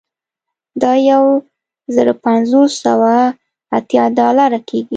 دا یو زر پنځه سوه اوه اتیا ډالره کیږي